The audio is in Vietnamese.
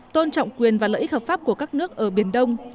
tôn trọng quyền và lợi ích hợp pháp của các nước ở biển đông